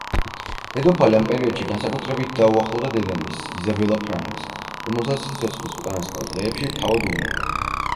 დედოფალი ამ პერიოდში განსაკუთრებით დაუახლოვდა დედამისს, იზაბელა ფრანგს, რომელსაც სიცოცხლის უკანასკნელ დღეებში თავად უვლიდა.